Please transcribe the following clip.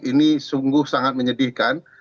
ini sungguh sangat menyedihkan